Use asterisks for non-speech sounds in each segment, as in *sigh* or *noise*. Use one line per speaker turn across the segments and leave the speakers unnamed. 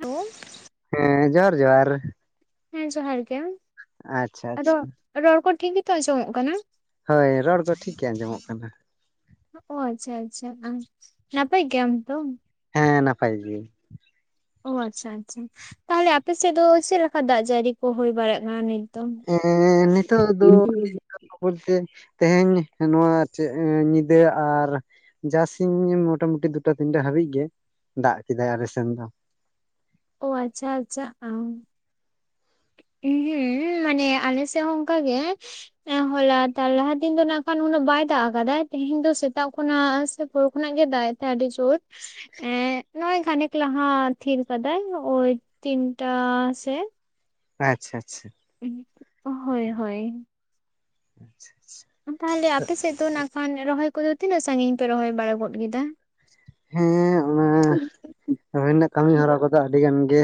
Hello.
ᱦᱮᱸ ᱡᱚᱦᱟᱨ ᱡᱚᱦᱟᱨ᱾
ᱦᱮᱸ ᱡᱚᱦᱟᱨ ᱜᱮ,
ᱟᱪᱪᱷᱟ
ᱟᱫᱚ
ᱟᱪᱪᱷᱟ
ᱨᱚᱲ ᱠᱚ ᱴᱷᱤᱠ ᱜᱮᱛᱚ ᱟᱸᱡᱚᱢᱚᱜ ᱠᱟᱱᱟ?
ᱦᱳᱭ ᱨᱚᱲ ᱠᱚ ᱴᱷᱤᱠ ᱜᱮ ᱟᱸᱡᱚᱢᱚᱜ ᱠᱟᱱᱟ᱾
ᱚ ᱟᱪᱪᱷᱟ ᱟᱪᱪᱷᱟ ᱱᱟᱯᱟᱭ ᱜᱮᱭᱟᱢ ᱛᱚ?
ᱦᱮᱸ ᱱᱟᱯᱟᱭ ᱜᱤᱭᱟᱹᱧ᱾
ᱚ ᱟᱪᱪᱷᱟ ᱟᱪᱪᱷᱟ᱾ ᱛᱟᱦᱚᱞᱮ ᱟᱯᱮᱥᱮᱫ ᱫᱚ ᱪᱮᱫ ᱞᱮᱠᱟ ᱫᱟᱜ ᱡᱟᱲᱤ ᱠᱚ ᱦᱩᱭ ᱵᱟᱲᱟᱜ ᱠᱟᱱᱟ ᱱᱤᱛ? ᱫᱚ?
ᱮᱸᱻᱱᱤᱛᱚᱜ ᱫᱚ ᱛᱮᱦᱮᱧ ᱱᱚᱣᱟ ᱟᱨ ᱪᱮᱫ ᱧᱤᱫᱟᱹ ᱟᱨ ᱡᱟ ᱥᱤᱧ ᱢᱚᱴᱟ ᱢᱩᱴᱤ ᱫᱩᱴᱟ ᱛᱤᱱᱴᱟ ᱦᱟᱹᱵᱤᱡ ᱜᱮ ᱫᱟᱜ ᱠᱮᱫᱟᱭ ᱟᱞᱮ ᱥᱮᱱ ᱫᱚ᱾
ᱚᱻ ᱟᱪᱪᱷᱟ ᱟᱪᱪᱷᱟ᱾ ᱩᱸ ᱦᱩᱸ ᱢᱟᱱᱮ ᱟᱞᱮ ᱥᱮᱜᱦᱚᱸ ᱚᱱᱠᱟ ᱜᱮ ᱮᱻ ᱦᱚᱞᱟ ᱛᱟᱞ ᱞᱟᱦᱟ ᱫᱤᱱ ᱫᱚ ᱱᱟᱜ ᱠᱷᱟᱱ ᱩᱱᱟᱹᱜ ᱵᱟᱭ ᱫᱟᱜ ᱟᱠᱟᱫᱟᱭ ᱛᱮᱦᱮᱧ ᱫᱚ ᱥᱮᱛᱟᱜ ᱠᱷᱚᱱᱟᱜ ᱵᱷᱳᱲ ᱠᱷᱚᱱᱟᱜ ᱜᱮ ᱫᱟᱜ ᱮᱜ ᱛᱮᱦᱮᱱ ᱟᱹᱰᱤ ᱡᱳᱨ᱾ ᱮᱸᱜ ᱱᱚᱜᱼᱚᱭ ᱠᱷᱟᱱᱮᱠ ᱞᱟᱦᱟ ᱛᱷᱤᱨ ᱠᱟᱫᱟᱭ ᱳᱭ ᱛᱤᱱᱴᱟ ᱥᱮᱜ᱾
ᱟᱪᱪᱷᱟ ᱟᱪᱪᱷᱟ᱾
ᱦᱳᱭ ᱦᱳᱭ᱾
ᱟᱪᱪᱷᱟ᱾ ᱟᱪᱪᱷᱟ
ᱛᱟᱦᱚᱞᱮ ᱟᱯᱮ ᱥᱮᱫ ᱫᱚ ᱱᱟᱜ ᱠᱷᱟᱱ ᱨᱚᱦᱚᱭ ᱠᱚᱫᱚ ᱛᱤᱱᱟᱹᱜ ᱥᱟᱺᱜᱤᱧ ᱯᱮ ᱨᱚᱦᱚᱭ ᱵᱟᱲᱟ ᱜᱚᱫ ᱠᱮᱫᱟ?
ᱦᱮᱸ ᱚᱱᱟ ᱨᱚᱦᱚᱭ ᱱᱟᱜ ᱠᱟᱹᱢᱤ ᱦᱚᱨᱟ ᱠᱚᱫᱚ ᱟᱹᱰᱤ ᱜᱟᱱ ᱜᱮ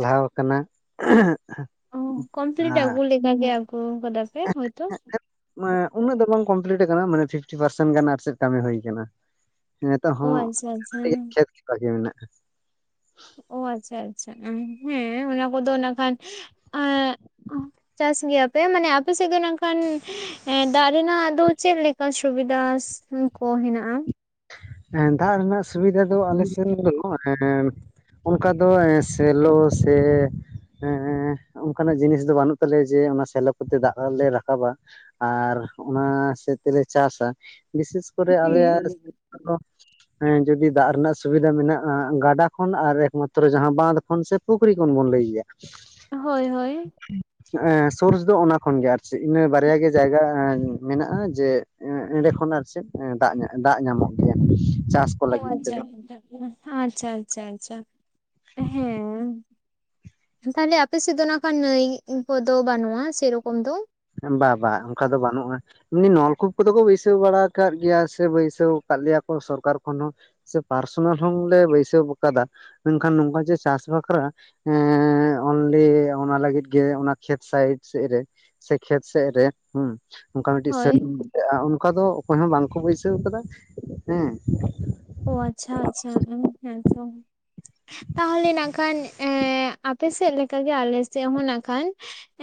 ᱞᱟᱦᱟᱣ ᱠᱟᱱᱟ᱾
ᱚᱻ ᱠᱚᱢᱯᱞᱤᱴ ᱟᱹᱜᱩ ᱞᱮᱠᱟ ᱜᱮ ᱟᱹᱜᱩ ᱠᱟᱫᱟ ᱯᱮ ᱦᱳᱭᱛᱚ?
ᱢᱟᱱᱮ ᱩᱱᱟᱹᱜ ᱫᱚ ᱵᱟᱝ ᱠᱚᱢᱯᱞᱤᱴ ᱟᱠᱟᱱᱟ ᱢᱟᱱᱮ ᱯᱷᱤᱯᱴᱤ ᱯᱟᱨᱥᱮᱱ ᱜᱟᱱ ᱟᱨ ᱪᱮᱫ ᱠᱟᱹᱢᱤ ᱦᱩᱭ ᱠᱟᱱᱟ᱾ ᱱᱤᱛᱚᱜ
ᱚ
ᱦᱚᱸ
ᱟᱪᱪᱷᱟ ᱟᱪᱪᱷᱟ
*unintelligible* ᱠᱷᱮᱛ ᱜᱮ ᱵᱟᱹᱠᱤ ᱢᱮᱱᱟᱜᱼᱟ᱾
ᱚᱻ ᱟᱪᱪᱷᱟ ᱟᱪᱪᱷᱟ ᱚᱸ ᱦᱮᱸ ᱚᱱᱟ ᱠᱚᱫᱚ ᱱᱟᱜ ᱠᱷᱟᱱ ᱮᱸᱜ ᱪᱟᱥ ᱜᱮᱭᱟ ᱯᱮ ᱢᱟᱱᱮ ᱟᱯᱮ ᱥᱮᱫ ᱜᱮ ᱱᱝᱠᱟᱱ ᱮᱸ ᱫᱟᱜ ᱨᱮᱱᱟᱜ ᱫᱚ ᱪᱮᱫ ᱞᱮ ᱠᱟ ᱥᱩᱵᱤᱫᱷᱟᱥ ᱦᱚᱸ ᱠᱚ ᱦᱮᱱᱟᱜᱼᱟ?
ᱦᱮᱸ ᱫᱟᱜ ᱨᱮᱱᱟᱜ ᱥᱩᱵᱤᱫᱷᱟ ᱫᱚ ᱟᱞᱮ ᱥᱮᱱ ᱫᱚ ᱱᱚᱜ-ᱚᱭ ᱚᱱᱠᱟ ᱫᱚ ᱮᱸ ᱥᱮᱞᱚ ᱥᱮ ᱮᱸ ᱚᱱᱠᱟᱱᱟᱜ ᱡᱤᱱᱤᱥ ᱫᱚ ᱵᱟᱹᱱᱩᱜ ᱛᱟᱞᱮᱭᱟ ᱡᱮ ᱚᱱᱟ ᱥᱮᱞᱚ ᱠᱚᱛᱮ ᱫᱟᱜᱞᱮ ᱨᱟᱠᱟᱵᱟ᱾ ᱟᱨ ᱚᱱᱟ ᱥᱮᱫ ᱛᱮᱞᱮ ᱪᱟᱥᱟ ᱵᱤᱥᱮᱥ ᱠᱚᱨᱮ ᱟᱞᱮᱭᱟᱜ *inaudible* ᱦᱮᱸ ᱡᱩᱫᱤ ᱫᱟᱜ ᱨᱮᱱᱟᱜ ᱥᱩᱵᱤᱫᱷᱟ ᱢᱮᱱᱟᱜᱼᱟ ᱜᱟᱰᱟ ᱠᱷᱚᱱ ᱟᱨ ᱮᱠᱢᱟᱛᱨᱚ ᱡᱟᱦᱟᱸ ᱵᱟᱸᱷᱫᱚ ᱠᱷᱚᱱ ᱥᱮ ᱯᱩᱠᱷᱨᱤ ᱠᱷᱚᱱ ᱵᱚᱱ ᱞᱟᱹᱭ ᱜᱮᱭᱟ᱾
ᱦᱳᱭ ᱦᱳᱭ᱾
ᱦᱮᱸᱜ-ᱮᱸ ᱥᱳᱨᱥ ᱫᱚ ᱚᱱᱟ ᱠᱷᱚᱱᱜᱮ ᱟᱨ ᱪᱮᱫ ᱤᱱᱟᱹ ᱵᱟᱨᱭᱟ ᱜᱮ ᱡᱟᱭᱜᱟ ᱢᱮᱱᱟᱜᱼᱟ ᱡᱮ ᱮᱸ ᱮᱸᱰᱮ ᱠᱷᱚᱱ ᱟᱨ ᱪᱮᱫ ᱫᱟᱜ ᱮᱸ ᱫᱟᱜ ᱧᱟᱢᱚᱜ ᱜᱮᱭᱟ ᱪᱟᱥ ᱠᱚ
ᱳ
ᱞᱟᱹᱜᱤᱫ ᱛᱮᱫᱚ
ᱟᱪᱪᱷᱟ ᱟᱪᱪᱷᱟ ᱟᱪᱪᱷᱟ ᱟᱪᱪᱷᱟ, ᱦᱮᱸ᱾ ᱛᱟᱦᱞᱮ ᱟᱯᱮ ᱥᱮᱫ ᱫᱚ ᱱᱟᱜ ᱠᱷᱟᱱ ᱱᱟᱹᱭ ᱠᱚᱫᱚ ᱵᱟᱹᱱᱩᱜᱼᱟ ᱥᱮᱨᱚᱠᱚᱢ ᱫᱚ?
ᱵᱟ ᱵᱟᱝ ᱚᱱᱠᱟ ᱫᱚ ᱵᱟᱹᱱᱩᱜᱼᱟ᱾ ᱮᱢᱱᱤ ᱱᱚᱞᱠᱩᱯ ᱠᱚᱫᱚ ᱠᱚ ᱵᱟᱹᱭᱥᱟᱹᱣ ᱵᱟᱲᱟ ᱟᱠᱟᱫ ᱜᱮᱭᱟ ᱥᱮ ᱵᱟᱹᱭᱥᱟᱹᱣ ᱟᱠᱟᱫ ᱞᱮᱭᱟ ᱠᱚ ᱥᱚᱨᱠᱟᱨ ᱠᱷᱚᱱ ᱦᱚᱸ ᱥᱮ ᱯᱟᱨᱥᱚᱱᱟᱞ ᱦᱚᱸ ᱞᱮ ᱵᱟᱹᱭᱥᱟᱹᱣ ᱟᱠᱟᱫᱟ ᱢᱮᱱᱠᱷᱟᱱ ᱱᱚᱝᱠᱟ ᱡᱮ ᱪᱟᱥ ᱵᱟᱥ ᱵᱟᱠᱷᱨᱟ ᱦᱮᱸ ᱚᱱᱞᱤ ᱚᱱᱟ ᱞᱟᱹᱜᱤᱫ ᱜᱮ ᱚᱱᱟ ᱠᱷᱮᱛ ᱥᱟᱭᱤᱰ ᱥᱮᱫ ᱨᱮ᱾ ᱥᱮ ᱠᱷᱮᱛ ᱥᱮᱫ ᱨᱮ ᱦᱩᱸ ᱚᱱᱠᱟ
ᱦᱳᱭ
ᱢᱤᱫᱴᱤᱡ *unintelligible* ᱚᱱᱠᱟ ᱫᱚ ᱚᱠᱚᱭ ᱦᱚᱸ ᱵᱟᱝᱠᱚ ᱵᱟᱹᱭᱥᱟᱹᱣ ᱟᱠᱟᱫᱟ ᱦᱮᱸ᱾
ᱚᱻ ᱟᱪᱪᱷᱟ ᱟᱪᱪᱷᱟ ᱩᱸ ᱦᱮᱸ ᱛᱚ᱾ ᱛᱟᱦᱚᱞᱮ ᱱᱟᱜᱠᱷᱟᱱ ᱮᱸ ᱟᱯᱮ ᱥᱮᱫ ᱞᱮᱠᱟᱜᱮ ᱟᱞᱮ ᱥᱮᱫ ᱦᱚᱸ ᱱᱟᱜᱠᱷᱟᱱ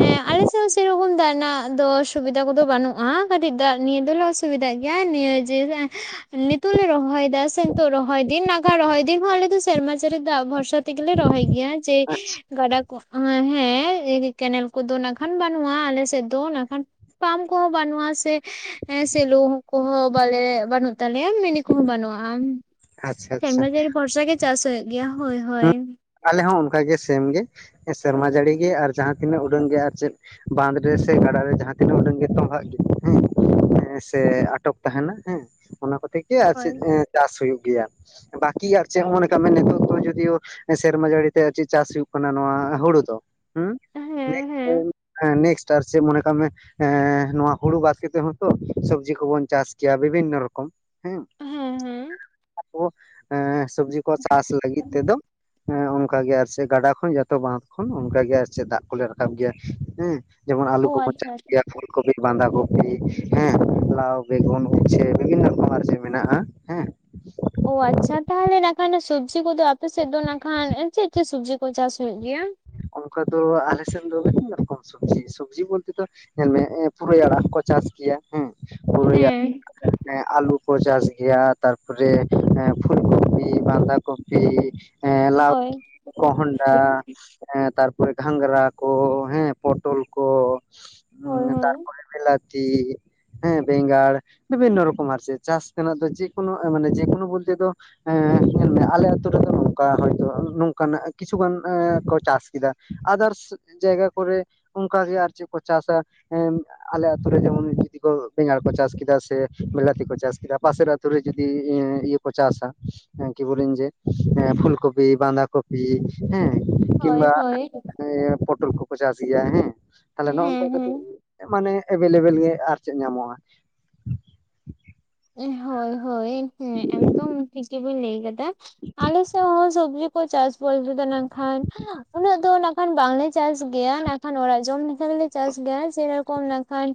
ᱦᱮᱸ ᱟᱞᱮᱥᱮᱫ ᱦᱚᱸ ᱥᱮᱨᱚᱠᱚᱢ ᱫᱟᱜ ᱨᱮᱱᱟᱜ ᱫᱚ ᱥᱩᱵᱤᱫᱟ ᱠᱚᱫᱚ ᱵᱟᱹᱱᱩᱜᱼᱟ ᱠᱟᱴᱤᱡ ᱫᱟᱜ ᱱᱤᱭᱟᱹ ᱫᱚᱞᱮ ᱚᱥ ᱥᱩᱵᱤᱫᱷᱟᱜ ᱜᱮᱭᱟ ᱱᱤᱭᱟᱹᱡᱮ ᱦᱮᱸ ᱱᱤᱛᱚᱜ ᱞᱮ ᱨᱚᱦᱚᱭ ᱫᱟ᱾ ᱥᱮ ᱱᱤᱛᱳᱜ ᱨᱚᱦᱚᱭ ᱫᱤᱱ ᱱᱟᱠᱷᱟᱱ ᱨᱚᱦᱚᱭ ᱫᱤᱱ ᱦᱚᱸ ᱟᱞᱮ ᱫᱚ ᱥᱮᱨᱢᱟ ᱡᱟᱹᱨᱤ ᱫᱟᱜ ᱵᱷᱚᱨᱥᱟ ᱛᱮᱜᱮᱞᱮ ᱞᱮ ᱨᱚᱦᱚᱭ ᱜᱮᱭᱟ ᱡᱮ
ᱟᱪᱪᱷᱟ
ᱜᱟᱰᱟ ᱠᱚ ᱟᱸᱜ ᱦᱮᱸ ᱠᱮᱱᱮᱞ ᱠᱚᱫᱚ ᱱᱟᱜᱠᱷᱟᱱ ᱵᱟᱹᱱᱩᱜᱼᱟ ᱟᱞᱮᱥᱮᱫ ᱫᱚ ᱱᱟᱜᱷᱟᱱ ᱯᱟᱢ ᱠᱚᱦᱚᱸ ᱵᱟᱹᱱᱩᱜᱼᱟ ᱥᱮ ᱮᱸ ᱥᱮᱞᱳ ᱠᱚᱦᱚᱸ ᱵᱟᱞᱮ ᱵᱟᱹᱱᱩᱜ ᱛᱟᱞᱮᱭᱟ ᱢᱤᱱᱤ ᱠᱚᱦᱚᱸ ᱵᱟᱹᱱᱩᱜᱼᱟ᱾ ᱟᱢ
ᱟᱪᱪᱷᱟ ᱟᱪᱪᱷᱟ
ᱥᱮᱨᱢᱟ ᱡᱟᱹᱲᱤ ᱵᱷᱚᱨᱥᱟ ᱜᱮ ᱪᱟᱥ ᱦᱩᱭᱩᱜ ᱜᱮᱭᱟ ᱦᱳᱭ ᱦᱳᱭ᱾
ᱦᱩᱸ ᱟᱞᱮ ᱦᱚᱸ ᱚᱱᱠᱟᱜᱮ ᱥᱮᱢ ᱜᱮ ᱥᱮᱨᱢᱟ ᱡᱟᱹᱲᱤᱜᱮ ᱟᱨ ᱡᱟᱦᱟᱸ ᱛᱤᱱᱟᱹᱜ ᱩᱰᱟᱹᱱ ᱜᱮ ᱟᱨ ᱪᱮᱫ ᱵᱟᱸᱫᱷ ᱨᱮ ᱥᱮ ᱜᱟᱰᱟᱨᱮ ᱡᱟᱦᱟᱸ ᱛᱤᱱᱟᱹᱜ ᱩᱰᱟᱹᱝ ᱜᱮ ᱛᱚᱢᱵᱷᱟᱜ ᱜᱮᱭᱟ ᱦᱮᱸ᱾ ᱦᱮᱸ ᱥᱮ ᱟᱴᱚᱠ ᱛᱟᱦᱮᱱᱟ ᱦᱮᱸ ᱚᱱᱟ ᱠᱚᱛᱮ ᱜᱮᱭᱟ
ᱦᱳᱭ
ᱥᱮᱫ ᱮᱸ ᱪᱟᱥ ᱦᱩᱭᱩᱜ ᱜᱮᱭᱟ ᱵᱟᱠᱤ ᱟᱨ ᱪᱮᱫ ᱦᱚᱸ ᱢᱚᱱᱮ ᱠᱟᱜ ᱢᱮ ᱱᱤᱛᱚᱜ ᱫᱚ ᱡᱩᱫᱤᱭᱳ ᱥᱮᱨᱢᱟ ᱡᱟᱹᱲᱤ ᱛᱮ ᱟᱨ ᱪᱮᱫ ᱪᱟᱥ ᱦᱩᱭᱩᱜ ᱠᱟᱱᱟ ᱱᱚᱣᱟ ᱦᱩᱲᱩ ᱫᱚ ᱦᱩᱸ *inaudible*
ᱦᱮᱸ ᱦᱮᱸ
*unintelligible* ᱢᱚᱱᱮ ᱠᱟᱜ ᱢᱮ ᱮᱸ ᱱᱚᱣᱟ ᱦᱩᱲᱩ ᱵᱟᱫ ᱠᱟᱛᱮᱜ ᱦᱚᱸᱛᱚ ᱥᱚᱵᱡᱤ ᱠᱚᱵᱚᱱ ᱪᱟᱥ ᱠᱮᱭᱟ ᱵᱤᱵᱷᱤᱱᱱᱚ ᱨᱚᱠᱚᱢ᱾ ᱦᱮᱸ ᱟᱫᱚ ᱥᱚᱵᱡᱤ ᱠᱚ ᱪᱟᱥ ᱞᱟᱹᱜᱤᱛ ᱛᱮᱫᱚ ᱦᱮᱸ ᱚᱱᱠᱟᱜᱮ ᱟᱨ ᱪᱮᱫ ᱜᱟᱰᱟ ᱠᱷᱚᱱ ᱡᱚᱛᱚ ᱵᱟᱸᱫᱷ ᱠᱷᱚᱱ ᱚᱱᱠ ᱜᱮ ᱟᱨ ᱪᱮᱫ ᱫᱟᱜ ᱠᱚᱞᱮ ᱨᱟᱠᱟᱵ ᱜᱮᱭᱟ ᱦᱮᱸ᱾ ᱡᱮᱢᱚᱱ ᱟᱞᱩ
ᱚ
ᱠᱚᱵᱚᱱ ᱪᱟᱥ
ᱟᱪᱪᱷᱟ
ᱜᱮᱭᱟ ᱯᱷᱩᱞ ᱠᱚᱯᱤ, ᱵᱟᱸᱫᱷᱟ ᱠᱚᱯᱤ, ᱦᱮᱸ ᱞᱟᱣ ᱵᱮᱜᱩᱱ ᱩᱪᱪᱷᱮ ᱵᱤᱵᱷᱤᱱᱱᱚ ᱨᱚᱠᱚᱢ ᱟᱨ ᱪᱮᱫ ᱢᱮᱱᱟᱜᱼᱟ ᱦᱮᱸ,
ᱳ ᱟᱪᱪᱷᱟ ᱛᱟᱦᱚᱞᱮ ᱱᱟᱜ ᱠᱷᱟᱱ ᱥᱚᱵᱡᱤ ᱠᱚᱫᱚ ᱟᱯᱮ ᱥᱮᱫ ᱫᱚ ᱱᱟᱜ ᱠᱷᱟᱱ ᱮᱸ ᱪᱮᱫ ᱪᱮᱫ ᱥᱚᱵᱡᱤ ᱠᱚ ᱪᱟᱥ ᱦᱩᱭᱩᱜ ᱜᱮᱭᱟ?
ᱚᱱᱠᱟ ᱫᱚ ᱟᱞᱮ ᱥᱮᱱ ᱫᱚ ᱵᱤᱵᱷᱤᱱᱱᱚ ᱨᱚᱠᱚᱢ ᱥᱚᱵᱡᱤ ᱥᱚᱵᱡᱤ ᱵᱚᱞᱛᱮ ᱫᱚ, ᱧᱮᱞᱢᱮ ᱮᱸ ᱯᱩᱨᱟᱹᱭ ᱟᱲᱟᱜ ᱦᱚᱸᱠᱚ ᱪᱟᱥ ᱜᱮᱭᱟ ᱦᱮᱸ ᱯᱩᱨᱟᱹᱭ
ᱦᱮᱸ
*inaudible* ᱮᱸ ᱟᱞᱩ ᱠᱚ ᱪᱟᱥ ᱜᱮᱭᱟ, ᱛᱟᱨᱯᱚᱨᱮ ᱮᱸ ᱯᱷᱩᱞ ᱠᱚᱯᱤ, ᱵᱟᱸᱫᱷᱟ ᱠᱚᱯᱤ, ᱮᱸ
ᱦᱳᱭ
ᱞᱟᱣᱠᱤ, ᱠᱚᱦᱚᱸᱰᱷᱟ, ᱦᱮᱸ ᱛᱟᱨᱯᱚᱨᱮ ᱜᱷᱟᱸᱜᱽᱨᱟ ᱠᱚ, ᱦᱮᱸ ᱯᱚᱴᱚᱞ ᱠᱚ,
ᱦᱳᱭ
ᱦᱩᱸ
ᱦᱳᱭ
ᱛᱟᱨᱯᱚᱨᱮ ᱵᱤᱞᱟᱛᱤ, ᱦᱮᱸ ᱵᱮᱸᱜᱟᱲ ᱵᱤᱵᱷᱤᱱᱱᱚ ᱨᱚᱠᱚᱢ ᱟᱨ ᱪᱮᱫ ᱪᱟᱥ ᱛᱮᱱᱟᱜ ᱫᱚ ᱡᱮᱠᱳᱱᱳ ᱢᱟᱱᱮ ᱡᱮᱠᱳᱱᱳ ᱵᱚᱞᱛᱮ ᱫᱚ ᱧᱮᱞᱢᱮ ᱟᱞᱮ ᱟ ᱟᱹᱛᱩ ᱨᱮᱫᱚ ᱱᱚᱝᱠᱟ ᱦᱚᱭᱛᱳ ᱱᱚᱝᱠᱟᱱᱟᱜ ᱠᱤᱪᱷᱩᱜᱟᱱ ᱮᱸ ᱠᱚ ᱪᱟᱥ ᱠᱤᱫᱟ ᱟᱫᱟᱨᱥ ᱡᱟᱭᱜᱟ ᱠᱚᱨᱮ ᱚᱱᱠᱟᱜᱮ ᱟᱨ ᱪᱮᱫ ᱠᱚ ᱪᱟᱥᱟ ᱮᱸ ᱟᱞᱮ ᱟᱛᱳ ᱨᱮ ᱡᱮᱢᱚᱱ ᱡᱩᱫᱤ ᱠᱚ ᱵᱮᱸᱜᱟᱲ ᱠᱚ ᱪᱟᱥ ᱠᱤᱫᱟ ᱥᱮ ᱵᱞᱟᱹᱛᱤ ᱠᱚ ᱪᱟᱥ ᱠᱤᱫᱟ ᱯᱟᱥᱮᱨ ᱟᱛᱳ ᱨᱮ ᱡᱩᱫᱤ ᱮ ᱤᱭᱟᱹ ᱠᱚ ᱪᱟᱥᱟ ᱠᱤᱵᱚᱞᱤᱱ ᱡᱮ ᱯᱷᱩᱞ ᱠᱚᱯᱤ ᱵᱟᱸᱫᱟ ᱠᱚᱯᱤ ᱦᱮᱸ
ᱦᱳᱭ
ᱠᱤᱢᱵᱟ
ᱦᱳᱭ
ᱯᱚᱴᱚᱞ ᱠᱚᱠᱚ ᱪᱟᱥ ᱜᱮᱭᱟ ᱦᱮᱸ ᱛᱟᱞᱦᱮ
ᱦᱮᱸ
ᱱᱚᱜ ᱱᱚᱝᱠᱟ ᱠᱟᱛᱮ
ᱦᱮᱸ
ᱢᱟᱱᱮ ᱮᱵᱮᱞᱮᱵᱮᱞ ᱜᱮ ᱟᱨ ᱪᱮᱫ ᱧᱟᱢᱚᱜ-ᱟ᱾
ᱦᱚᱭ ᱦᱚᱭ ᱦᱮᱸ ᱮᱠᱫᱚᱢ ᱴᱷᱤᱠ ᱜᱮᱵᱤᱱ ᱞᱟᱹᱭ ᱠᱟᱫᱟ ᱟᱞᱮ ᱥᱮᱜ ᱦᱚᱸ ᱥᱚᱵᱡᱤ ᱠᱚ ᱪᱟᱥ ᱵᱚᱞᱛᱮ ᱫᱚ ᱱᱟᱜᱠᱷᱟᱱ ᱩᱱᱟᱹᱜ ᱫᱚ ᱱᱟᱜᱠᱷᱟᱱ ᱵᱟᱝᱞᱮ ᱪᱟᱥ ᱜᱮᱭᱟ ᱱᱟᱜ ᱠᱷᱟᱱ ᱚᱲᱟᱜ ᱡᱚᱢ ᱞᱮᱠᱷᱟ ᱫᱚᱞᱮ ᱪᱟᱥ ᱜᱮᱭᱟ ᱥᱮᱨᱚᱠᱚᱢ ᱱᱟᱠᱷᱟᱱ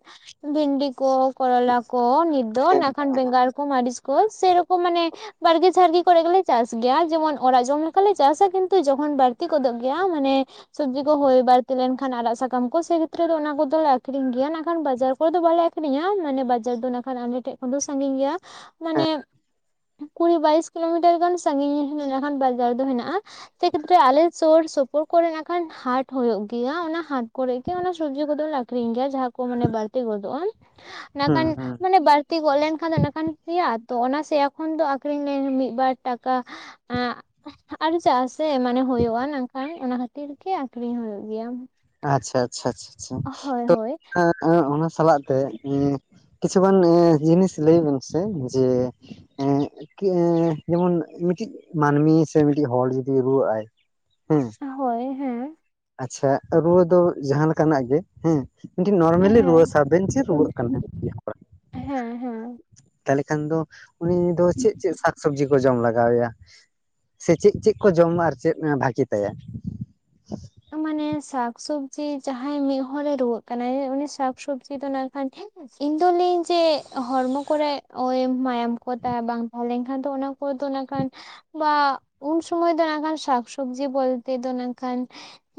ᱵᱷᱤᱱᱰᱤ ᱠᱚ, ᱠᱚᱨᱚᱞᱟ ᱠᱚ, ᱱᱤᱛ ᱫᱚ
ᱦᱮᱸ
ᱱᱟᱠᱷᱟᱱ ᱵᱮᱸᱜᱟᱲ ᱠᱚ ᱢᱟᱹᱨᱤᱪ ᱠᱚ ᱥᱮᱨᱚᱠᱚᱢ ᱢᱟᱱᱮ ᱵᱟᱨᱜᱮ ᱡᱷᱟᱨᱜᱮ ᱠᱚᱨᱮ ᱜᱮᱞᱮ ᱪᱟᱥ ᱜᱮᱭᱟ ᱡᱮᱢᱚᱱ ᱚᱨᱟᱜ ᱡᱚᱢ ᱞᱮᱠᱟᱞᱮ ᱪᱟᱥᱟ ᱠᱤᱱᱛᱩ ᱡᱚᱠᱷᱚᱱ ᱵᱟᱹᱨᱛᱤ ᱜᱚᱫᱚᱜ ᱜᱮᱭᱟ ᱢᱟᱱᱮ ᱥᱚᱵᱽᱡᱤ ᱠᱚ ᱦᱳᱭ ᱵᱟᱹᱨᱛᱤ ᱞᱮᱱᱠᱷᱟᱱ ᱟᱨᱟᱜ ᱥᱟᱠᱟᱢ ᱠᱚ ᱥᱮ ᱠᱷᱮᱛᱨᱮ ᱫᱚ ᱚᱱᱟ ᱠᱚᱫᱚᱞᱮ ᱟᱠᱷᱨᱤᱧ ᱜᱮᱭᱟ ᱱᱟᱜᱠᱷᱟᱱ ᱵᱟᱡᱟᱨ ᱠᱚᱨᱮ ᱫᱚ ᱵᱟᱞᱮ ᱟᱠᱷᱨᱤᱧᱟ ᱢᱟᱱᱮ ᱵᱟᱡᱟᱨ ᱫᱚ ᱱᱟᱠᱷᱟᱱ ᱟᱞᱮ ᱥᱟᱺᱜᱤᱧ ᱜᱮᱭᱟ ᱢᱟᱱᱮ
ᱦᱮᱸ
ᱠᱩᱲᱤ ᱵᱟᱭᱤᱥ ᱠᱤᱞᱳᱢᱤᱴᱟᱨ ᱜᱟᱱ ᱥᱟᱺᱜᱤᱧ *unintelligible* ᱵᱟᱡᱟᱨ ᱫᱚ ᱦᱮᱱᱟᱜ-ᱟ᱾ ᱥᱮ ᱠᱷᱛᱮᱨᱮ ᱟᱞᱮ ᱥᱳᱨ ᱥᱳᱯᱳᱨ ᱠᱚᱨᱮ ᱱᱟᱜ ᱠᱷᱟᱱ ᱦᱟᱴ ᱦᱳᱭᱳᱜ ᱜᱮᱭᱟ ᱚᱱᱟ ᱦᱟᱴ ᱠᱚᱨᱮᱜ ᱜᱮ ᱚᱱᱟ ᱥᱚᱵᱡᱤ ᱠᱚᱫᱚ ᱞᱮ ᱟ ᱟᱠᱷᱨᱤᱧ ᱜᱮᱭᱟ ᱡᱟᱦᱟᱸ ᱠᱚ ᱢᱟᱱᱮ ᱵᱟᱹᱲᱛᱤ ᱜᱚᱫᱚᱜ-ᱚ ᱚᱱᱟ
ᱦᱩᱸ
ᱠᱷᱟᱱ
ᱦᱩᱸ
ᱢᱟᱱᱮ ᱵᱟᱹᱲ ᱛᱤ ᱜᱚᱫ ᱞᱮᱱᱠᱷᱟᱱ ᱫᱚ ᱱᱟᱠᱷᱟᱱ ᱥᱮᱭᱟᱜ-ᱟ ᱛᱚ ᱚᱱᱟ ᱥᱮᱭᱟ ᱠᱷᱚᱱ ᱫᱚ ᱟᱠᱷᱨᱤᱧ *unintelligible* ᱢᱤᱫᱵᱟᱨ ᱴᱟᱠᱟ ᱟᱸᱜ ᱟᱨ ᱪᱟᱜ ᱥᱮ ᱢᱟᱱᱮ ᱦᱳᱭᱳᱜ-ᱟ ᱱᱟᱠᱷᱟᱱ ᱚᱱᱟ ᱠᱷᱟᱹᱛᱤᱨ ᱜᱮ ᱟᱠᱷᱨᱤᱧ ᱦᱳᱭᱳᱜ ᱜᱮᱭᱟ᱾
ᱟᱪᱪᱷᱟ ᱟᱪᱪᱷᱟ
ᱦᱳᱭ
*inaudible* ᱛᱚ
ᱦᱳᱭ
ᱚᱱᱟ ᱥᱟᱞᱟᱜ ᱛᱮ ᱠᱤᱪᱷᱩᱜᱟᱱ ᱮᱸ ᱡᱤᱱᱤᱥ ᱞᱟᱹᱭ ᱵᱮᱱ ᱥᱮ ᱡᱮ ᱮᱸᱜ ᱡᱮᱢᱚᱱ ᱢᱤᱫᱴᱤᱡ ᱢᱟᱹᱱᱢᱤ ᱥᱮ ᱢᱤᱫᱴᱤᱡ ᱦᱚᱲ ᱡᱩᱫᱤ ᱨᱩᱣᱟᱹᱜ ᱟᱭ, ᱦᱮᱸ
ᱦᱚᱭ ᱦᱮᱸ
ᱟᱪᱪᱷᱟ ᱨᱩᱣᱟᱹ ᱫᱚ ᱡᱟᱦᱟᱸ ᱞᱮᱠᱟᱱᱟᱜ ᱜᱮ ᱦᱮᱸ, ᱢᱤᱜᱴᱤᱜ ᱱᱚᱨᱢᱮᱞᱤ ᱨᱩᱣᱟᱹ
ᱦᱮᱸ
ᱥᱟᱯᱵᱮᱱ ᱪᱮᱫ ᱨᱩᱣᱟᱹᱜ ᱠᱟᱱᱟ *inaudible*
ᱦᱮᱸ ᱦᱮᱸ
ᱛᱟᱦᱞᱮ ᱠᱷᱟᱱ ᱫᱚ ᱩᱱᱤ ᱫᱚ ᱪᱮᱫ ᱪᱮᱫ ᱥᱟᱠᱥᱚᱵᱽᱡᱤ ᱠᱚ ᱡᱚᱢ ᱞᱟᱜᱟᱣᱮᱭᱟ? ᱥᱮ ᱪᱮᱫ ᱪᱮᱫ ᱠᱚ ᱡᱚᱢᱟ ᱟᱨ ᱪᱮᱫ ᱵᱷᱟᱹᱜᱮ ᱛᱟᱭᱟ?
ᱢᱟᱱᱮ ᱥᱟᱠᱥᱚᱵᱡᱤ ᱡᱟᱦᱟᱸᱭ ᱢᱤᱫ ᱦᱚᱲ ᱮ ᱨᱩᱣᱟᱹᱜ ᱠᱟᱱᱟᱭ ᱩᱱᱤ ᱥᱟᱠᱥᱚᱵᱡᱤ ᱫᱚ ᱱᱟᱜ ᱠᱷᱟᱱ ᱤᱧ ᱫᱚ ᱞᱟᱹᱭᱟᱹᱧ ᱡᱮ ᱦᱚᱨᱢᱚ ᱠᱚᱨᱮ ᱳᱭ ᱢᱟᱭᱟᱢ ᱠᱚ ᱛᱟᱦᱮ ᱵᱟᱝ ᱛᱟᱦᱮᱸ ᱞᱮᱱᱠᱷᱟᱱ ᱫᱚ ᱚᱱᱟ ᱦᱳᱭᱛᱚ ᱱᱟᱜ ᱠᱷᱟᱱ ᱵᱟ ᱩᱱ ᱥᱩᱢᱚᱭ ᱫᱚ ᱱᱟᱜ ᱠᱷᱟᱱ ᱥᱟᱠᱥᱚᱵᱡᱤ ᱵᱚᱞᱛᱮ ᱫᱚ ᱱᱟᱜ ᱠᱷᱟᱱ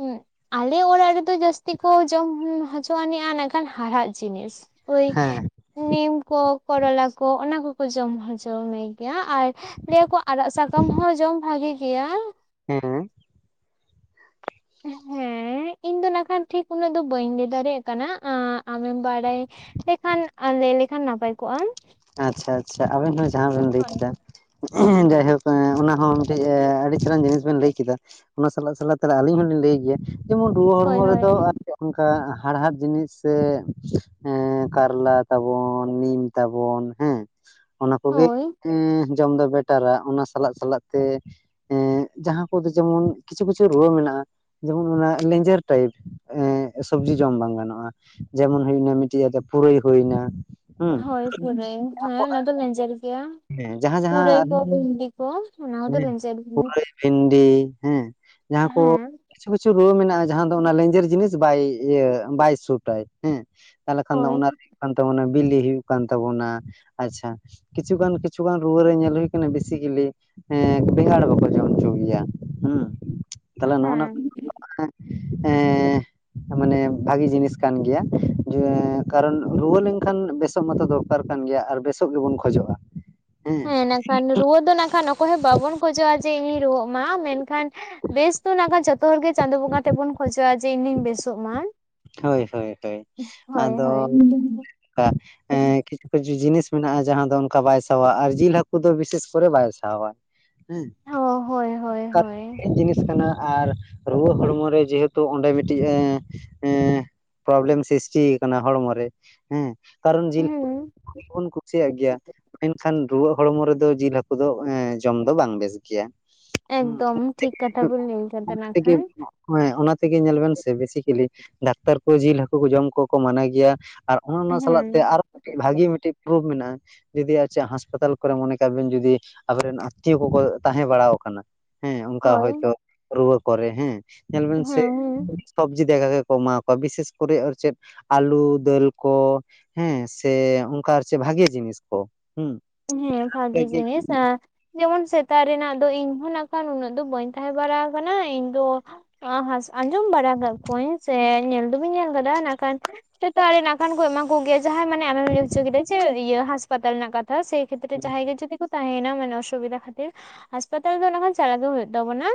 ᱩᱸ ᱟᱞᱮ ᱚᱲᱟᱜ ᱨᱮᱫᱚ ᱡᱟᱹᱥᱛᱤ ᱠᱚ ᱡᱚᱢ ᱦᱚᱪᱚ ᱟᱹᱱᱤᱡ-ᱟ ᱱᱟᱜ ᱠᱷᱟᱱ ᱦᱟᱲᱦᱟᱜ ᱡᱤᱱᱤᱥ ᱾ ᱳᱭ
ᱦᱮᱸ
ᱱᱤᱢ ᱠᱚ ᱠᱚᱨᱚᱞᱟ ᱠᱚ ᱚᱱᱟ ᱠᱚᱠᱚ ᱡᱚᱢ ᱦᱚᱪᱚ ᱢᱮ ᱜᱮᱭᱟ ᱟᱨ ᱞᱟᱹᱭ ᱟᱠᱚ ᱟᱲᱟᱜ ᱥᱟᱠᱟᱢ ᱦᱚᱸ ᱡᱚᱢ ᱵᱷᱟᱜᱮ ᱜᱮᱭᱟ ᱾
ᱦᱮᱸ ᱾
ᱦᱮᱸ ᱤᱧ ᱫᱚ ᱱᱟᱜ ᱠᱷᱟᱱ ᱴᱷᱤᱠ ᱩᱱᱟᱹᱜ ᱫᱚ ᱵᱟᱹᱧ ᱞᱟᱹᱭ ᱫᱟᱲᱮᱭᱟᱜ ᱠᱟᱱᱟ ᱟ ᱟᱢᱮᱢ ᱵᱟᱲᱟᱭ ᱞᱮᱠᱷᱟᱱ ᱟ ᱞᱟᱹᱭ ᱞᱮᱠᱷᱟᱱ ᱱᱟᱯᱟᱭ ᱠᱚᱜ-ᱟ᱾
ᱟᱪᱪᱷᱟ ᱟᱪᱪᱷᱟ ᱟᱵᱮᱱ ᱦᱚᱸ ᱡᱟᱦᱟᱸ ᱵᱮᱱ ᱞᱟᱹᱭ ᱠᱤᱫᱟ *inaudible* ᱡᱟᱭᱦᱳᱠ ᱚᱱᱟᱦᱚᱸ ᱢᱤᱫᱴᱮᱡ ᱟᱹᱰᱤ ᱪᱮᱨᱦᱟᱱ ᱡᱤᱱᱤᱥ ᱵᱮᱱ ᱞᱟᱹᱭ ᱠᱤᱫᱟ ᱾ ᱚᱱᱟ ᱥᱟᱞᱟᱜ ᱥᱟᱞᱟᱜ ᱛᱟᱞᱦᱮ ᱟᱹᱞᱤᱧ ᱦᱚᱞᱤᱧ ᱞᱟᱹᱭ ᱜᱮᱭᱟ ᱡᱮᱢᱚᱱ ᱨᱩᱣᱟᱹ
ᱦᱳᱭ
ᱦᱚᱲᱢᱚ
ᱦᱳᱭ
ᱨᱮᱫᱚ ᱚᱱᱠᱟ ᱦᱟᱲᱦᱟᱫ ᱡᱤᱱᱤᱥ ᱥᱮ ᱠᱟᱨᱞᱟ ᱛᱟᱵᱚᱱ ᱱᱤᱢ ᱛᱟ ᱵᱚᱱ ᱦᱮᱸ ᱚᱱᱟ ᱠᱚᱜᱮ ᱮᱸ ᱡᱚᱢ ᱫᱚ ᱵᱮᱴᱟᱨᱟ ᱾ ᱚᱱᱟ ᱥᱟᱞᱟᱜ ᱥᱟᱞᱟᱜ ᱛᱮ ᱮᱸ ᱡᱟᱦᱟᱸ ᱠᱚᱫᱚ ᱡᱮᱢᱚᱱ ᱠᱤᱪᱷᱩ ᱠᱤᱪᱷᱩ ᱨᱩᱣᱟᱹ ᱢᱮᱱᱟᱜ-ᱟ ᱡᱮᱢᱚᱱ ᱚᱱᱟ ᱞᱮᱧᱡᱮᱨ ᱴᱟᱭᱤᱯ ᱮᱸᱜ ᱥᱚᱵᱡᱤ ᱡᱚᱢ ᱵᱟᱝ ᱜᱟᱱᱚᱜ-ᱟ ᱡᱮᱢᱚᱱ ᱦᱩᱭᱮᱱᱟ ᱢᱤᱫᱴᱤᱡ ᱯᱩᱨᱟᱹᱭ ᱦᱩᱭᱮᱱᱟ ᱾
ᱦᱚᱭ ᱯᱩᱨᱟᱹᱭ ᱦᱮᱸ ᱚᱱᱟ ᱫᱚ ᱞᱮᱸᱡᱮᱨ ᱜᱮᱭᱟ
ᱦᱮᱸ ᱡᱟᱦᱟᱸ
*inaudible*
ᱡᱟᱦᱟᱸ
ᱯᱩᱨᱟᱹᱭ ᱠᱚ ᱵᱷᱤᱱᱰᱤ ᱠᱚ ᱚᱱᱟ ᱠᱚᱫᱚ
ᱦᱮᱸ
ᱞᱮᱸᱡᱮᱨ ᱜᱮᱭᱟ ᱾
ᱯᱩᱨᱟᱹᱭ ᱵᱷᱤᱱᱰᱤ ᱦᱮᱸ ᱡᱟᱦᱟᱸ ᱠᱚ
ᱦᱮᱸ
ᱠᱤᱪᱷᱩ ᱠᱤᱪᱷᱩ ᱨᱩᱣᱟᱹ ᱢᱮᱱᱟᱜ-ᱟ ᱡᱟᱦᱟᱸ ᱫᱚ ᱚᱱᱟ ᱞᱮᱧᱡᱮᱨ ᱡᱤᱱᱤᱥ ᱵᱟᱭ ᱤᱭᱟᱹ ᱵᱟᱭ ᱥᱩᱴᱟᱭ ᱦᱮᱸ ᱛᱟᱦᱚᱞᱮ ᱠᱷᱟᱱ ᱫᱚ
ᱦᱳᱭ
ᱚᱱᱟ ᱠᱟᱱ ᱛᱟᱵᱚᱱᱟ ᱵᱤᱞᱤ ᱦᱩᱭᱩᱜ ᱠᱟᱱ ᱛᱟᱵᱚᱱᱟ ᱟᱪᱪᱷᱟ ᱠᱤᱪᱷᱩ ᱜᱟᱱ ᱠᱤᱪᱷᱩ ᱜᱟᱱ ᱨᱩᱣᱟᱹ ᱨᱮ ᱧᱮᱞ ᱦᱩᱭ ᱠᱟᱱᱟ ᱵᱮᱥᱤ ᱵᱤᱞᱤ ᱦᱮᱸ ᱵᱮᱸᱜᱟᱲ ᱵᱟᱠᱚ ᱡᱚᱢ ᱦᱚᱪᱚ ᱜᱮᱭᱟ ᱦᱮᱸ ᱛᱟᱦᱚᱞᱮ ᱱᱚᱜ-ᱚ ᱱᱚᱣᱟ
ᱦᱮᱸ
*inaudible* ᱮᱸᱻ ᱢᱟᱱᱮ ᱵᱷᱟᱜᱤ ᱡᱤᱱᱤᱥ ᱠᱟᱱ ᱜᱮᱭᱟ ᱠᱟᱨᱚᱱ ᱨᱩᱣᱟᱹ ᱞᱮᱱᱠᱷᱟᱱ ᱵᱮᱥᱚᱜ ᱢᱟᱛᱚ ᱫᱚᱨ ᱠᱟᱨ ᱠᱟᱱ ᱜᱮᱭᱟ ᱟᱨ ᱵᱮᱥᱚᱜ ᱜᱮᱵᱚᱱ ᱠᱷᱚᱡᱚᱜ-ᱟ ᱾
ᱦᱮᱸ ᱱᱟᱜᱠᱷᱟᱱ ᱨᱩᱣᱟᱹ ᱫᱚ ᱱᱟᱜᱠᱷᱟᱱ ᱚᱠᱚᱭ ᱦᱚᱸ ᱵᱟᱵᱚᱱ ᱠᱷᱚᱡᱚᱜ-ᱟ ᱡᱮ ᱤᱧ ᱨᱩᱣᱟᱹᱜ ᱢᱟ ᱢᱮᱱᱠᱷᱟᱱ ᱵᱮᱥ ᱫᱚ ᱱᱟᱜᱠᱷᱟᱱ ᱡᱚᱛᱚ ᱦᱚᱲ ᱜᱮ ᱪᱟᱸᱫᱚ ᱵᱚᱸᱜᱟ ᱴᱷᱮᱡ ᱵᱚᱱ ᱠᱷᱚᱡᱚᱜ-ᱟ ᱡᱮ ᱤᱧᱫᱩᱧ ᱵᱮᱥᱚᱜ ᱢᱟ ᱾
ᱦᱳᱭ ᱦᱳᱭ ᱦᱳᱭ ᱟᱫᱚ
ᱦᱳᱭ
*unintelligible* ᱠᱤᱪᱷᱩ ᱠᱤᱪᱷᱩ ᱡᱤᱱᱤᱥ ᱢᱮᱱᱟᱜ-ᱟ ᱡᱟᱦᱟᱸ ᱫᱚ ᱚᱱᱠᱟ ᱵᱟᱭ ᱥᱟᱦᱟᱣᱟᱭ ᱟᱨ ᱡᱤᱞ ᱦᱟᱹᱠᱩ ᱫᱚ ᱵᱤᱥᱮᱥ ᱠᱚᱨᱮ ᱵᱟᱭ ᱥᱟᱦᱟᱣᱟᱭ ᱾ ᱦᱮᱸ
ᱦᱳᱭ ᱦᱳᱭ ᱦᱳᱭ ᱦᱳᱭ
*unintelligible* ᱡᱤᱱᱤᱥ ᱠᱟᱱᱟ ᱟᱨ ᱨᱩᱣᱟᱹ ᱦᱚᱲᱢᱚ ᱨᱮ ᱡᱮᱦᱮᱛᱩ ᱚᱸᱰᱮ ᱢᱤᱫᱴᱤᱡ ᱮᱸ ᱮᱸ ᱯᱨᱚᱵᱞᱮᱢ ᱥᱨᱤᱥᱴᱤ ᱟᱠᱟᱱᱟ ᱦᱚᱲᱢᱚ ᱨᱮ ᱾ ᱦᱮᱸ ᱠᱟᱨᱚᱱ ᱡᱤᱞ
ᱦᱩᱸ
*unintelligible* ᱵᱚᱱ ᱠᱩᱥᱤᱭᱟᱜ ᱜᱮᱭᱟ ᱢᱮᱱᱠᱷᱟᱱ ᱨᱩᱣᱟᱹᱜ ᱦᱚᱲᱢᱚ ᱨᱮᱫᱚ ᱡᱤᱞ ᱦᱟ. ᱠᱩ ᱫᱚ ᱮᱸ ᱡᱚᱢ ᱫᱚ ᱵᱟᱝ ᱵᱮᱥ ᱜᱮᱭᱟ ᱾ ᱦᱩᱸ
ᱮᱠᱫᱚᱢ ᱴᱷᱤᱠ ᱠᱟᱛᱷᱟ ᱵᱤᱱ ᱞᱟᱹᱭ ᱠᱟᱫᱟ ᱱᱟᱜ
*unintelligible*
ᱠᱷᱟᱱ
ᱦᱮᱸ ᱚᱱᱟ ᱛᱮᱜᱮ ᱧᱮᱞ ᱵᱮᱱ ᱥᱮ ᱵᱮᱥᱤᱠᱮᱞᱤ ᱰᱟᱠᱛᱟᱨ ᱠᱚ ᱡᱤᱞ ᱦᱟᱹᱠᱩ ᱠᱚ ᱡᱚᱢ ᱠᱚᱠᱚ ᱢᱟᱱᱟ ᱜᱮᱭᱟ ᱾ ᱚᱱ-ᱚᱱᱟ ᱥᱟᱞᱟᱜ ᱛᱮ
ᱦᱮᱸ
ᱟᱨ ᱢᱤᱫᱴᱤᱡ ᱵᱷᱟᱜᱤ ᱢᱤᱫᱴᱮᱱ ᱯᱨᱩᱯᱷ ᱢᱮᱱᱟᱜ-ᱟ ᱾ ᱡᱩᱫᱤ ᱟᱨ ᱪᱮᱫ ᱦᱟᱸᱥᱯᱟᱛᱟᱞ ᱠᱚᱨᱮ ᱢᱚᱱᱮ ᱠᱟᱜ ᱵᱮᱱ ᱡᱩᱫᱤ ᱟᱵᱚᱨᱮᱱ ᱟᱛᱤᱭᱳ ᱠᱚᱠᱚ ᱛᱟᱦᱮᱸ ᱵᱟᱲᱟᱣ ᱟᱠᱟᱱᱟ ᱦᱮᱸ ᱚᱱᱠᱟ
ᱦᱳᱭ
ᱦᱚᱭᱛᱳ ᱨᱩᱣᱟᱹ ᱠᱚᱨᱮ ᱦᱮᱸ ᱧᱮᱞ ᱵᱮᱱ
ᱦᱮᱸ
ᱥᱮ
ᱦᱮᱸ
ᱥᱚᱵᱽᱡᱤ ᱫᱟᱠᱟ ᱜᱮᱠᱚ ᱮᱢᱟ ᱚ ᱵᱤᱥᱮᱥ ᱠᱚᱨᱮ ᱟᱨ ᱪᱮᱫ ᱟᱞᱩ ᱫᱟᱹᱞ ᱠᱚ ᱦᱮᱸ ᱥᱮ ᱚᱱᱠᱟ ᱟᱨ ᱪᱮᱫ ᱵᱷᱟᱜᱮ ᱡᱤᱱᱤᱥ ᱠᱚ ᱾
ᱦᱮᱸ ᱵᱷᱟᱜᱤ ᱡᱤᱱᱤᱥ ᱟᱨ ᱡᱮᱢᱚᱱ ᱥᱮᱛᱟᱜ ᱨᱮᱱᱟᱜ ᱫᱚ ᱤᱧ ᱦᱚᱸ ᱱᱟᱜ ᱠᱷᱟᱱ ᱩᱱᱟᱹᱜ ᱫᱚ ᱵᱟᱹᱧ ᱛᱟᱦᱮᱸ ᱵᱟᱲᱟ ᱟᱠᱟᱱᱟ ᱤᱧ ᱫᱚ ᱟ ᱦᱟᱸᱥ ᱟᱸᱡᱚᱢ ᱵᱟᱲᱟ ᱟᱠᱟᱫ ᱠᱚᱣᱟᱹᱧ ᱥᱮ ᱧᱮᱞ ᱫᱚ ᱵᱟᱹᱧ ᱧᱮᱞ ᱟᱠᱟᱫᱟ ᱱᱟᱜᱠᱷᱟᱱ ᱥᱮᱛᱟᱜ ᱨᱮ ᱱᱟᱜᱠᱷᱟᱱ ᱠᱚ ᱮᱢᱟ ᱠᱚ ᱜᱮᱭᱟ ᱡᱟᱦᱟᱸᱭ ᱢᱟᱱᱮ ᱟᱢᱮᱢ ᱞᱟᱹᱭ ᱦᱚᱪᱚ ᱠᱮᱫᱟ ᱡᱮ ᱤᱭᱟᱹ ᱦᱟᱸᱥᱯᱟᱛᱟᱞ ᱨᱮᱱᱟᱜ ᱠᱟ ᱛᱷᱟ ᱥᱮᱭ ᱠᱷᱮᱛᱨᱮ ᱡᱟᱦᱟᱭ ᱜᱮ ᱡᱚᱫᱤ ᱠᱚ ᱛᱟᱦᱮᱸᱭᱱᱟ ᱢᱟᱱᱮ ᱚᱥᱩᱵᱤᱫᱟ ᱠᱷᱟᱹᱛᱤᱨ ᱦᱟᱸᱥᱯᱟᱛᱟᱞ ᱫᱚ ᱱᱟᱦᱚᱭ ᱪᱟᱞᱟᱣ ᱫᱚ ᱦᱩᱭᱩᱜ ᱛᱟᱵᱚᱱᱟ᱾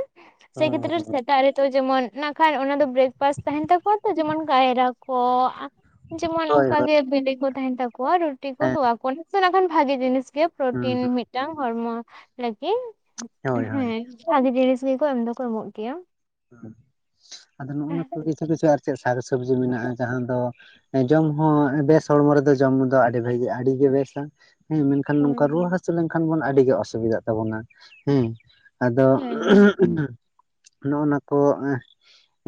ᱥᱮ ᱠᱷᱮᱛᱨᱮ ᱥᱮᱛᱟᱜ ᱨᱮ ᱫᱚ ᱡᱮᱢᱚᱱ ᱠᱷᱟᱱ ᱚᱱᱟ ᱫᱚ ᱵᱨᱮᱠᱯᱷᱟᱥᱴ ᱛᱟᱦᱮᱱ ᱛᱟᱠᱚᱣᱟ ᱛᱚ ᱡᱮᱢᱚᱱ ᱠᱟᱭᱨᱟ ᱠᱚ, ᱡᱮᱢᱚᱱ
ᱦᱳᱭ
ᱚᱱᱠᱟᱜ
ᱦᱳᱭ
ᱜᱮ ᱵᱤᱞᱤ ᱠᱚ ᱛᱟᱦᱮᱱ ᱛᱟᱠᱚᱣᱟ ᱨᱩᱴᱤ ᱠᱚ
ᱦᱮᱸ
ᱛᱚᱣᱟ ᱠᱚ ᱱᱟᱜᱠᱷᱟᱱ ᱵᱷᱟᱜᱤ ᱡᱤᱱᱤᱥ ᱜᱮ, ᱯᱨᱚᱴᱤᱱ
ᱦᱩᱸ
ᱢᱤᱫᱴᱟᱝ ᱦᱚᱲᱢᱚ ᱞᱟᱹᱜᱤᱫ
ᱦᱳᱭ ᱦᱳᱭ
ᱦᱮᱸ᱾ ᱟᱹᱰᱤ ᱡᱤᱱᱤᱥ ᱜᱮᱠᱚ ᱮᱢ ᱫᱚᱠᱚ ᱮᱢᱚᱜ ᱜᱮᱭᱟ,
ᱟᱫᱚ ᱱᱚᱜᱼᱚ *unintelligible* ᱟᱨ ᱪᱮᱫ ᱥᱟᱠᱥᱚᱵᱽᱡᱤ ᱢᱮᱱᱟᱜᱼᱟ ᱡᱟᱦᱟᱸ ᱫᱚ ᱡᱚᱢ ᱦᱚᱸ ᱵᱮᱥ ᱦᱚᱲᱢᱚ ᱨᱮᱫᱚ ᱡᱚᱢ ᱫᱚ ᱟᱹᱰᱤ ᱵᱷᱟᱹᱜᱤ ᱟᱹᱰᱤᱜᱮ ᱵᱮᱥᱟ, ᱦᱮᱸ ᱢᱮᱱᱠᱷᱟᱱ
ᱦᱳᱭ
ᱱᱚᱝᱠᱟ ᱨᱩᱣᱟᱹ ᱦᱟᱹᱥᱩ ᱞᱮᱱᱠᱷᱟᱱ ᱵᱚᱱ ᱟᱹᱰᱤ ᱜᱮ ᱚᱥᱩᱵᱤᱫᱷᱟᱜ ᱛᱟᱵᱚᱱᱟ᱾ ᱦᱮᱸ, ᱟᱫᱚ
ᱦᱮᱸ
ᱱᱚᱜᱼᱚ ᱱᱟ ᱠᱚ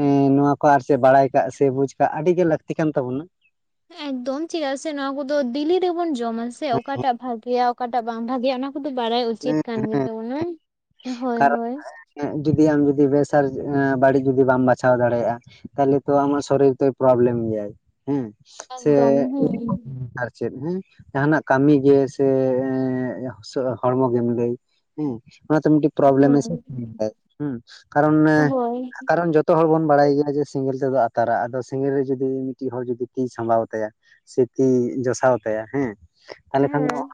ᱩᱻ ᱱᱚᱶᱟ ᱠᱚ ᱟᱨ ᱪᱮᱫ ᱵᱟᱲᱟᱭ ᱠᱟᱜ ᱥᱮ ᱵᱩᱡ ᱠᱟᱜ ᱟᱹᱰᱤ ᱜᱮᱤ ᱞᱟᱹᱠᱛᱤ ᱠᱟᱱ ᱛᱟᱵᱚᱱᱟ,
ᱮᱠᱫᱚᱢ ᱪᱮᱫᱟᱜ ᱥᱮ ᱱᱚᱶᱟ ᱫᱤᱞᱤ ᱨᱮᱵᱚᱱ ᱡᱚᱢᱟ ᱥᱮ ᱚᱠᱟᱴᱟᱜ ᱵᱷᱟᱜᱮᱭᱟ ᱚᱠᱟᱴᱟᱜ ᱵᱟᱝ ᱵᱷᱟᱜᱮᱭᱟ ᱚᱱᱟ ᱚᱱᱟ ᱠᱚᱫᱚ ᱵᱟᱲᱟᱭ ᱩᱪᱤᱛ
ᱦᱮᱸ
ᱠᱟᱱ
ᱦᱮᱸ
ᱜᱮᱛᱟᱵᱚᱱᱟ᱾ ᱦᱳᱭ, ᱦᱳᱭ,
ᱡᱩᱫᱤ ᱟᱢ ᱡᱩᱫᱤ ᱵᱮᱥ ᱟᱨ ᱵᱟᱹᱲᱤᱡ ᱡᱩᱫᱤ ᱵᱟᱢ ᱵᱟᱪᱷᱟᱣ ᱫᱟᱲᱮᱭᱟᱜᱼᱟ, ᱛᱟᱞᱦᱮ ᱛᱚ ᱟᱢᱟᱜ ᱥᱚᱨᱤᱨ ᱛᱚᱭ ᱯᱨᱚᱵᱞᱮᱢ ᱜᱮᱭᱟᱭ ᱦᱮᱸ ᱥᱮ
ᱮᱠᱫᱚᱢ ᱦᱮᱸ
ᱪᱮᱫ, ᱦᱮᱸ ᱡᱟᱦᱱᱟᱜ ᱠᱟᱹᱢᱤ ᱜᱮ ᱥᱮ ᱦᱚᱲᱢᱚ ᱜᱮᱢ ᱞᱟᱹᱭ᱾ ᱦᱮᱸ ᱚᱱᱟ ᱢᱤᱫᱴᱟᱝ ᱯᱨᱚᱵᱮᱢ
ᱦᱮᱸ
*unintelligible* ᱦᱩᱸ ᱠᱟᱨᱚᱱ ᱮ
ᱦᱳᱭ
ᱠᱟᱨᱚᱱ ᱡᱚᱛᱚ ᱛᱚ ᱦᱚᱲ ᱵᱚᱱ ᱵᱟᱲᱟᱭ ᱜᱮᱭᱟ ᱡᱮ ᱥᱮᱸᱜᱮᱞ ᱛᱮᱫᱚ ᱟᱛᱟᱨᱟ ᱟᱫᱚ ᱥᱮᱸᱜᱮᱞ ᱨᱮ ᱡᱩᱫᱤ ᱢᱤᱫᱴᱤᱡ ᱦᱚᱲ ᱡᱩᱫᱤ ᱛᱤ ᱥᱟᱢᱵᱟᱣ ᱛᱟᱭᱟ ᱥᱮ ᱛᱤ ᱡᱚᱥᱟᱣ ᱛᱟᱭᱟ ᱦᱮᱸ ᱛᱟᱦᱞᱮ ᱠᱷᱟᱱ ᱫᱚ
ᱦᱮᱸ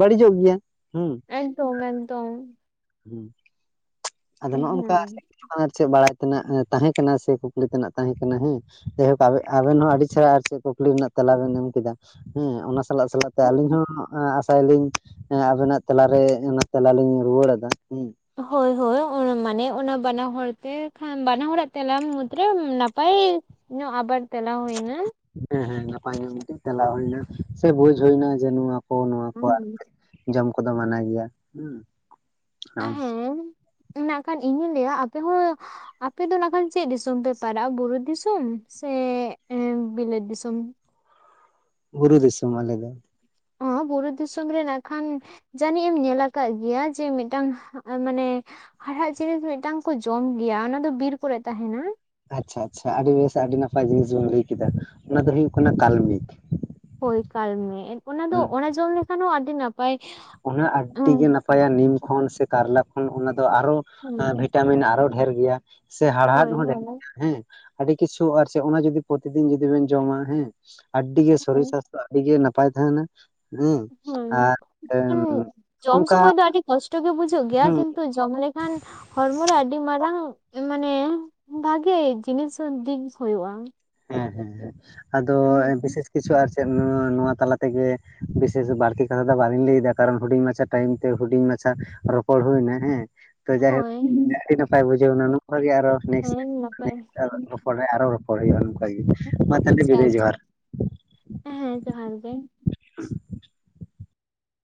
ᱵᱟᱹᱲᱤᱡᱚᱜ ᱜᱮᱭᱟ ᱦᱮᱸ,
ᱛᱚ ᱢᱮᱱ ᱛᱚᱝ,
ᱦᱩᱸ, ᱟᱫᱚ ᱱᱚᱜᱼᱚ ᱱᱚᱝᱠᱟ ᱟᱨ ᱪᱮᱫ ᱵᱟᱲᱟᱭ ᱛᱮᱱᱟᱜ ᱛᱟᱦᱮᱸ ᱠᱟᱱᱟ ᱥᱮ ᱠᱩᱠᱞᱤ ᱛᱮᱱᱟᱜ ᱛᱟᱦᱮᱸ ᱠᱟᱱᱟ ᱦᱮᱸ, ᱡᱟᱭᱦᱳᱠ ᱟᱵᱮ ᱟᱵᱮᱱ ᱦᱚᱸ ᱟᱹᱰᱤ ᱪᱮᱦᱨᱟ ᱟᱨ ᱪᱮᱫ ᱠᱩᱠᱞᱤ ᱨᱮᱱᱟᱜ ᱛᱮᱞᱟ ᱵᱮᱱ ᱮᱢ ᱠᱮᱫᱟ, ᱦᱮᱸ ᱚᱱᱟ ᱥᱟᱞᱟᱜ ᱥᱟᱞᱟᱜ ᱛᱮ
ᱦᱮᱸ
ᱟᱹᱞᱤᱧ ᱦᱚᱸ ᱟᱥᱟᱭᱟᱞᱤᱧ ᱦᱮᱸ ᱟᱵᱮᱱᱟᱜ ᱛᱮᱞᱟᱨᱮ ᱚᱱᱟ ᱛᱮᱞᱟ ᱞᱤᱧ ᱨᱩᱣᱟᱹᱲᱫᱟ ᱦᱮᱸ,
ᱦᱳᱭ, ᱦᱳᱭ, ᱢᱟᱱᱮ ᱚᱱᱟ ᱵᱟᱱᱟ ᱦᱚᱲ ᱛᱮ ᱠᱷᱟᱱ ᱵᱟᱱᱟ ᱦᱚᱲᱟᱜ ᱛᱮᱞᱟ ᱢᱩᱫᱽᱨᱮ ᱱᱟᱯᱟᱭ ᱤᱧᱟᱜ ᱟᱵᱟᱨ ᱛᱮᱞᱟ ᱦᱩᱭᱱᱟ
ᱦᱮᱸ ᱦᱮᱸ ᱱᱟᱯᱟᱭ ᱧᱚᱜ ᱛᱮ ᱛᱮᱞᱟ ᱦᱩᱭᱮᱱᱟ ᱥᱮ ᱵᱩᱡ ᱦᱩᱭᱱᱟ ᱡᱮ ᱱᱚᱣᱟ ᱠᱚ ᱱᱚᱣᱟ ᱠᱚ
ᱦᱩᱸ
ᱟᱨᱠᱤ ᱡᱚᱢ ᱠᱚᱫᱚ ᱢᱟᱱᱟ ᱜᱮᱭᱟ ᱦᱩᱸ, ᱦ
ᱢᱮᱱᱟᱜᱠᱷᱟᱱ ᱤᱧ‌ ᱦᱚᱧ ᱞᱟᱹᱭᱟ ᱟᱯᱮ ᱦᱚᱸ ᱟᱯᱮ ᱫᱚ ᱱᱟᱜ ᱠᱷᱟᱱ ᱪᱮᱫ ᱫᱤᱥᱚᱢ ᱯᱮ ᱯᱟᱲᱟᱜᱼᱟ ᱵᱩᱨᱩ ᱫᱤᱥᱚᱢ ᱥᱮ ᱵᱤᱞᱟᱹᱛ ᱫᱤᱥᱚᱢ?
ᱵᱩᱨᱩ ᱫᱤᱥᱚᱢ ᱟᱞᱮ ᱫᱚ,
ᱦᱚᱸ ᱵᱩᱨᱩ ᱫᱤᱥᱚᱢ ᱨᱮ ᱱᱟᱜ ᱠᱷᱟᱱ ᱡᱟᱹᱱᱤᱡ ᱮᱢ ᱧᱮᱞᱟ ᱟᱠᱟᱫ ᱜᱮᱭᱟ ᱡᱮ ᱢᱤᱫᱴᱟᱝ ᱢᱟᱱᱮ ᱦᱟᱲᱦᱟᱫ ᱡᱤᱱᱤᱥ ᱢᱤᱫᱴᱟᱝ ᱠᱚ ᱡᱚᱢ ᱜᱮᱭᱟ ᱚᱱᱟ ᱫᱚ ᱵᱤᱨ ᱠᱚᱨᱮ ᱛᱟᱸᱦᱮᱱᱟ᱾
ᱟᱪᱪᱷᱟ ᱟᱪᱪᱷᱟ ᱟᱹᱰᱤ ᱵᱮᱥ ᱟᱹᱰᱤ ᱱᱟᱯᱟᱭ ᱡᱤᱱᱤᱥ ᱵᱮᱱ ᱞᱟᱹᱭ ᱠᱮᱫᱟ ᱚᱱᱟ ᱫᱚ ᱦᱩᱭᱩᱜ ᱠᱟᱱᱟ ᱠᱟᱞᱢᱮᱠ᱾
ᱦᱳᱭ ᱠᱟᱞᱢᱮᱠ ᱚᱱᱟ ᱫᱚ ᱚᱱᱟ ᱡᱚᱢ ᱞᱮᱠᱷᱟᱱ ᱦᱚᱸ ᱟᱹᱰᱤ ᱱᱟᱯᱟᱭ
ᱚᱱᱟ ᱟᱹᱰᱤ ᱜᱮ ᱱᱟᱯᱟᱭᱟ ᱱᱤᱢ ᱠᱷᱚᱱ ᱥᱮ ᱠᱟᱨᱞᱟ ᱠᱷᱚᱱ ᱚᱱᱟ ᱫᱚ ᱟᱨᱦᱚᱸ ᱦᱮᱸ ᱵᱷᱤᱴᱟᱢᱤᱱ ᱟᱨᱦᱚᱸ ᱰᱷᱮᱨ ᱜᱮᱭᱟ ᱥᱮ ᱦᱟᱲᱦᱟᱫ
ᱦᱳᱭ
ᱦᱚᱸ ᱰᱷᱮᱨ ᱜᱮᱭᱟ ᱦᱮᱸ, ᱟᱹᱰᱤ ᱠᱤᱪᱷᱩ ᱟᱨ ᱥᱮ ᱚᱱᱟ ᱡᱚᱫᱤ ᱯᱨᱚᱛᱤᱫᱤᱱ ᱡᱩᱫᱤ ᱵᱮᱱ ᱡᱚᱢᱟ ᱦᱮᱸ, ᱟᱹᱰᱤ ᱜᱮ
ᱦᱮᱸ
ᱥᱚᱨᱤᱨ ᱥᱟᱥᱛᱷᱚ ᱟᱹᱰᱤ ᱜᱮ ᱱᱟᱯᱟᱭ ᱛᱟᱸᱦᱮᱱᱟ ᱦᱮᱸ ᱟᱨ
ᱠᱤᱱᱛᱩ ᱡᱚᱢ
ᱚᱱᱠᱟ
ᱥᱩᱢᱳᱭ ᱫᱚ ᱟᱹᱰᱤ ᱠᱚᱥᱴᱚ ᱜᱮ ᱵᱩᱡᱷᱟᱹᱜ ᱜᱮᱭᱟ
ᱦᱮᱸ
ᱠᱤᱱᱛᱩ ᱡᱚᱢ ᱞᱮᱠᱷᱟᱱ ᱦᱚᱲᱢᱚ ᱨᱮ ᱟᱹᱰᱤ ᱢᱟᱨᱟᱝ ᱢᱟᱱᱮ ᱵᱷᱟᱜᱮ ᱡᱤᱱᱤᱥ ᱫᱤᱠ ᱦᱳᱭᱳᱜᱼᱟ᱾
ᱦᱮᱸ ᱦᱮᱸ ᱟᱫᱚ ᱵᱤᱥᱮᱥ ᱠᱤᱪᱷᱩ ᱟᱨ ᱪᱮᱫ ᱱᱚᱣᱟ ᱛᱟᱞᱟ ᱛᱮᱜᱮ ᱵᱤᱥᱮᱥ ᱵᱟᱹᱲᱛᱤ ᱠᱟᱛᱷᱟ ᱫᱚ ᱵᱟᱞᱤᱧ ᱞᱟᱹᱭᱫᱟ ᱠᱟᱨᱚᱱ ᱦᱩᱰᱤᱧ ᱢᱟᱪᱷᱟ ᱴᱟᱭᱤᱢ ᱛᱮ ᱦᱩᱰᱤᱧ ᱢᱟᱪᱷᱟ ᱨᱚᱯᱚᱲ ᱦᱳᱭᱱᱟ ᱦᱮᱸ, ᱛᱚ ᱡᱟᱭᱦᱳᱠ
ᱦᱳᱭ
ᱟᱹᱰᱤ ᱱᱟᱯᱟᱭ ᱵᱩᱡᱷᱟᱹᱣᱱᱟ ᱱᱚᱝᱠᱟ ᱜᱮ ᱟᱨᱦᱚᱸ ᱱᱮᱠᱥᱴ
ᱦᱮᱸ ᱱᱟᱯᱟᱭ ᱟᱪᱪᱷᱟ
ᱛᱟᱦᱚᱞᱮ ᱟᱨᱦᱚᱸ ᱨᱚᱯᱚᱲ ᱦᱩᱭᱩᱜᱼᱟ ᱱᱚᱝᱠᱟ ᱜᱮ ᱢᱟ ᱛᱟᱦᱚᱞᱮ ᱫᱤᱫᱤ ᱡᱚᱦᱟᱨ᱾
ᱦᱮᱸ ᱦᱮᱸ ᱡᱚᱦᱟᱨ ᱜᱮ,